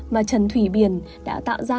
mà trần thủy biển đã tạo ra